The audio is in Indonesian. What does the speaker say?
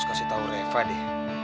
coba gua kasih tau reva deh